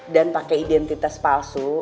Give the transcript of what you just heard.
dan pake identitas palsu